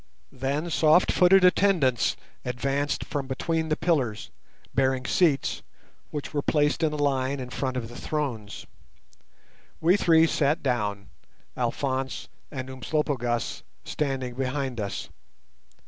Then soft footed attendants advanced from between the pillars, bearing seats, which were placed in a line in front of the thrones. We three sat down, Alphonse and Umslopogaas standing behind us.